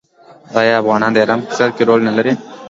آیا افغانان د ایران په اقتصاد کې رول نلري؟